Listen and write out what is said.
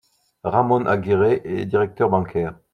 Ramón Aguirre est directeur bancaire.